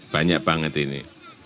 banyak banget ini